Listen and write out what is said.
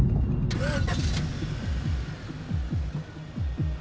うん。